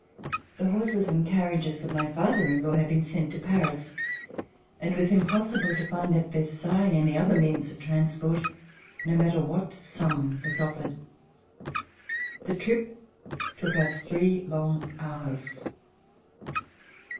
The horses and carriages of my father in law had been sent to Paris, and it was impossible to find at Versailles any other means of transport, no matter what sum was offered. The trip took us three long hours.